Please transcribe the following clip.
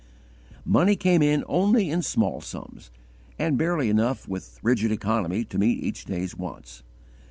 Money came in only in small sums, and barely enough with rigid economy to meet each day's wants.